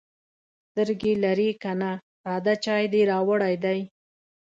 _سترګې لرې که نه، ساده چای دې راوړی دی.